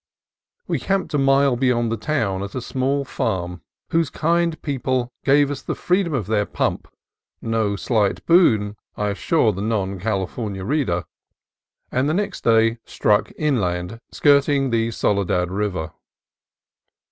We camped a mile beyond the town at a small farm whose kind people gave us the freedom of their pump (no slight boon, I assure the non Cali fornian reader), and next day struck inland, skirting the Soledad River.